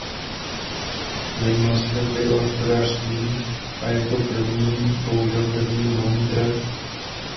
Zajímal se také o hospodářství a jako první použil termín volný trh.